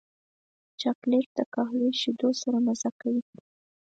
چاکلېټ د قهوې شیدو سره مزه کوي.